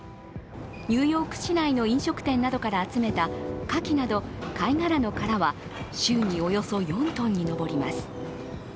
ニューヨーク市内の飲食店などから集めたカキなど貝類の殻は週におよそ４ｔに上ります。